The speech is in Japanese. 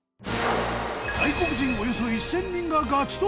外国人およそ１０００人がガチ投票！